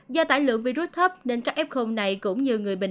do tải lượng virus thấp nên các f này cũng như người bệnh